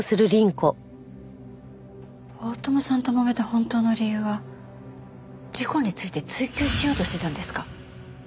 大友さんともめた本当の理由は事故について追及しようとしてたんですか？